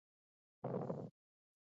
پښتو ژبه د هر پښتون فکري سلاح ده.